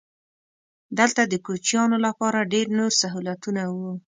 دلته د کوچیانو لپاره ډېر نور سهولتونه وو.